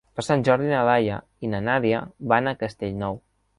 Per Sant Jordi na Laia i na Nàdia van a Castellnou.